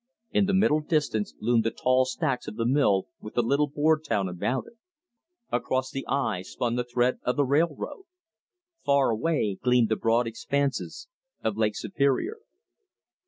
In the middle distance loomed the tall stacks of the mill with the little board town about it. Across the eye spun the thread of the railroad. Far away gleamed the broad expanses of Lake Superior.